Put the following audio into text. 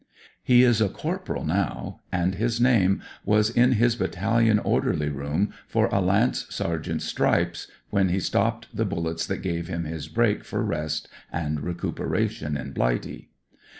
He is a corporal now, and his name 107 n^' ;M =« \\t 108 A REVEREND CORPORAL was in his battalion orderly room for a lance sergeant's stripes when he stopped the bullets that gave him his break for rest and recuperation in Blighty.